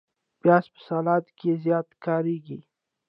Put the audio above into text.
پیاز په سلاد کې زیات کارېږي